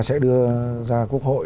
sẽ đưa ra quốc hội